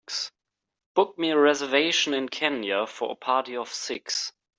Book me a reservation in Kenya for a party of six